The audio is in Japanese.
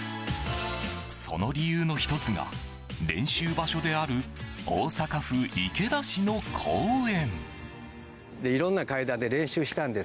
その理由の１つが練習場所である大阪府池田市の公園。